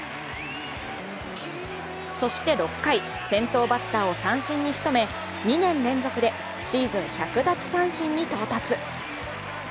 そして、６回、先頭バッターを三振にしとめ２年連続でシーズン１００奪三振に到達。